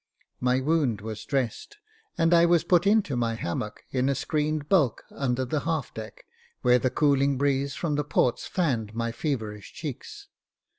My wound was dressed, and I was put into my hammock, in a screened bulk under the half deck, where the cooling breeze from the ports fanned my feverish cheeks.